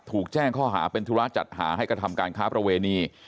ถูกแจ้งข้อหาเป็นธุระจัดหาให้กระทำการค้าประเวณี